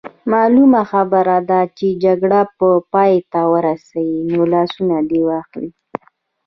معلومه خبره ده چې جګړه به پای ته ورسي، نو لاس دې واخلي.